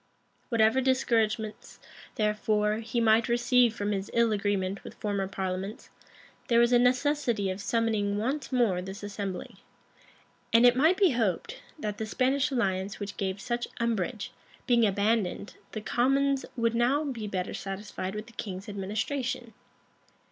[] Whatever discouragements, therefore, he might receive from his ill agreement with former parliaments, there was a necessity of summoning once more this assembly: and it might be hoped, that the Spanish alliance which gave such umbrage, being abandoned, the commons would now be better satisfied with the king's administration.